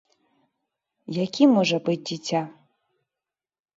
Якім можа быць дзіця?